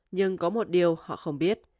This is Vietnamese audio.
nhưng có một điều họ không biết